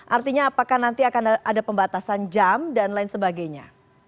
artinya apakah nanti akan ada pembatasan jam dan lain sebagainya